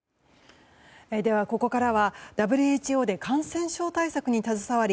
ここからはＷＨＯで感染症対策に携わり